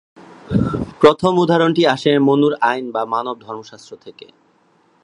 প্রথম উদাহরণটি আসে মনুর আইন বা মানব ধর্মশাস্ত্র থেকে।